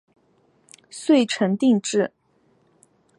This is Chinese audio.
遂成定制。